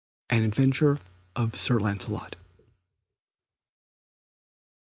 An Adventure of Sir Lancelot.